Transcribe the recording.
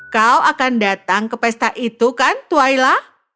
kau akan datang ke pesta itu kan twaila